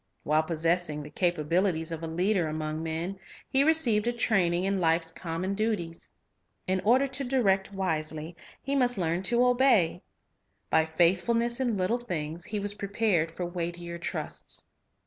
While possessing the capa bilities of a leader among men, he received a training in life's common duties. In order to direct wisely, he must learn to obey. By faithfulness in little things, he was prepared for weightier trusts.